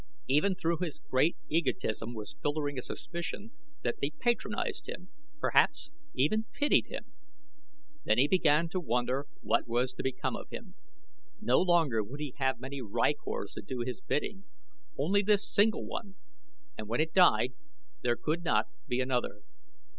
Even through his great egotism was filtering a suspicion that they patronized him; perhaps even pitied him. Then he began to wonder what was to become of him. No longer would he have many rykors to do his bidding. Only this single one and when it died there could not be another.